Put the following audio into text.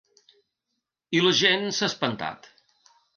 I la gent s’ha espantat.